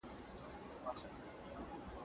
عام افغانان د بهرنیو اقتصادي مرستو پوره حق نه لري.